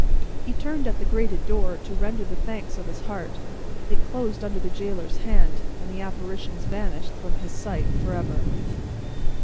He turned at the grated door, to render the thanks of his heart; it closed under the gaoler's hand; and the apparitions vanished from his sight forever.